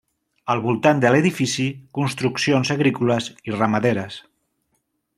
Al voltant de l'edifici, construccions agrícoles i ramaderes.